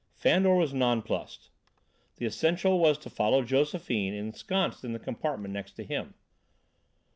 Fandor was nonplussed. The essential was to follow Josephine, ensconced in the compartment next to his.